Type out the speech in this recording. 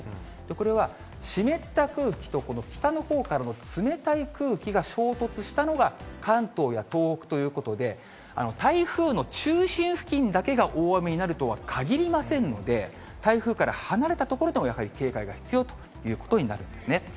これは湿った空気と、この北のほうからの冷たい空気が衝突したのが、関東や東北ということで、台風の中心付近だけが大雨になるとは限りませんので、台風から離れた所でも、やはり警戒が必要ということになるんですね。